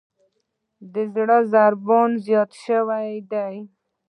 د زړه ضربان مې زیات شوئ دی.